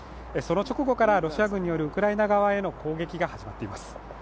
その直後からロシア軍によるウクライナ側への攻撃が始まっています。